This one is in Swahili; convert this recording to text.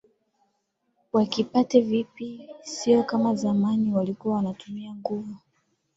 wakipate vipi sio kama zamani walikuwa wanatumia nguvu